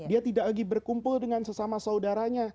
dia tidak lagi berkumpul dengan sesama saudaranya